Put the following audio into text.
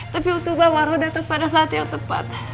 tapi untuk bapak roh datang pada saat yang tepat